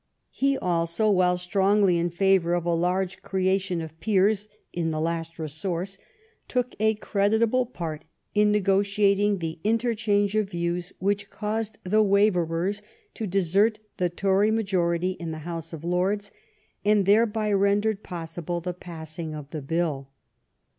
'^ He also, while strongly in favour of a large creation of peers in the last resource, took a creditable part in negot^ting the interchange of views which caused the Wa)||^ers to desert the Tory majority in the House of Lords, and thereby rendered possible the passing of the Bill.